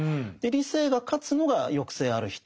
理性が勝つのが抑制ある人